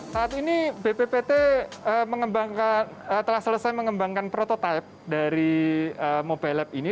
saat ini bppt telah selesai mengembangkan prototipe dari mobile lab ini